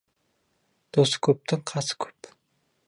Досы көптің қасы көп.